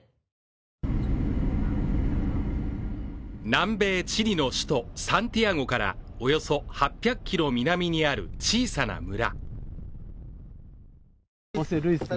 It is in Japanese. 南米チリの首都サンティアゴからおよそ８００ｋｍ南にある小さな村。